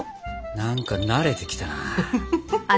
何か慣れてきたな。